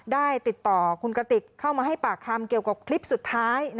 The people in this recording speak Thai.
ได้ติดต่อคุณกระติกเข้ามาให้ปากคำเกี่ยวกับคลิปสุดท้าย